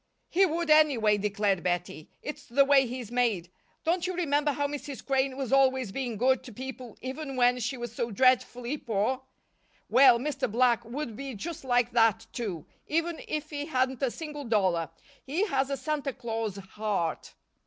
"He would anyway," declared Bettie. "It's the way he's made. Don't you remember how Mrs. Crane was always being good to people even when she was so dreadfully poor? Well, Mr. Black would be just like that, too, even if he hadn't a single dollar. He has a Santa Claus heart."